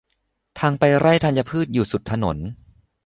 ทางไปไร่ธัญพืชอยู่สุดถนน